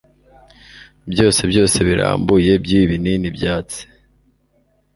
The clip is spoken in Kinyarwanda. Byose byose birambuye byibi binini byatsi